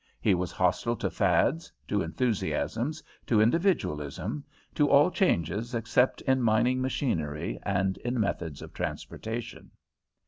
He was hostile to fads, to enthusiasms, to individualism, to all changes except in mining machinery and in methods of transportation.